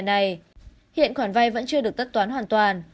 hiện khoản vay vẫn chưa được tất toán hoàn toàn